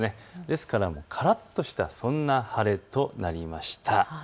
ですから、からっとしたそんな晴れとなりました。